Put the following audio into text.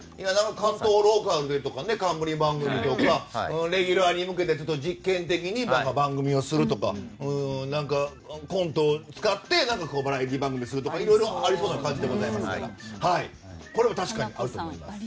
関東ローカルで冠番組とかレギュラーに向けて実験的に番組をするとかコント使ってバラエティー番組するとかいろいろありそうな感じでございますがこれも確かにあると思います。